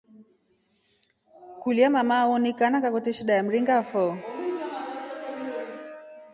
Kulya mama nyawonika nanga kwete shida ya mringa foo.